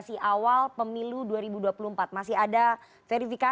tim liputan cnn indonesia